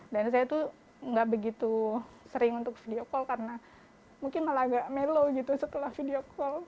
dan saya itu nggak begitu sering untuk video call karena mungkin malah agak mellow gitu setelah video call